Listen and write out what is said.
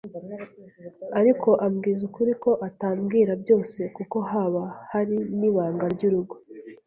ariko ambwiza ukuri ko atambwira byose kuko haba hari n’ibanga ry’urugo